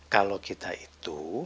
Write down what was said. kalau kita itu